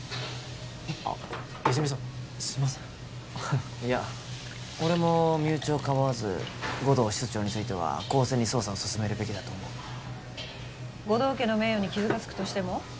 あ泉さんすんませんいや俺も身内をかばわず護道室長については公正に捜査を進めるべきだと思う護道家の名誉に傷がつくとしても？